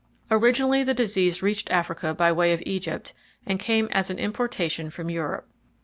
Originally, the disease reached Africa by way of Egypt, and came as an importation from Europe.